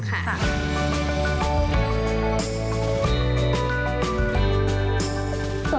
รับยู